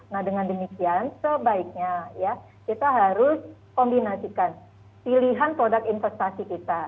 nah dengan demikian sebaiknya ya kita harus kombinasikan pilihan produk investasi kita